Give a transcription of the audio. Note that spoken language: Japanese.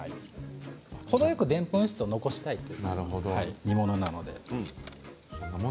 ほどよくでんぷん質を残したいという煮物なので。